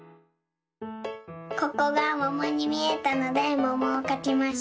ここがももにみえたのでももをかきました。